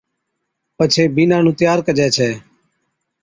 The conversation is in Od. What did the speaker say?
پڇي بِينڏا تيار ڪَجي ڇَي